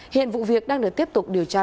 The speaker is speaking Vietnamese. hiện vụ việc đang được tiếp tục điều tra làm